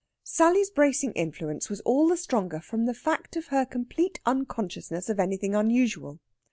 Sally's bracing influence was all the stronger from the fact of her complete unconsciousness of anything unusual.